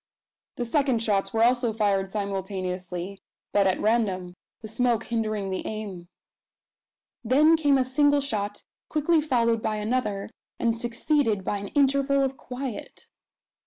The second shots were also fired simultaneously, but at random, the smoke hindering the aim. Then came a single shot, quickly followed by another, and succeeded by an interval of quiet.